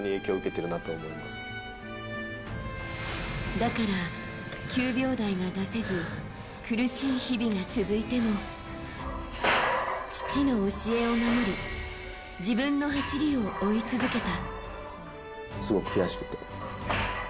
だから、９秒台が出せず苦しい日々が続いても父の教えを守り自分の走りを追い続けた。